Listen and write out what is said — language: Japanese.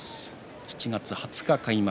７月２０日開幕。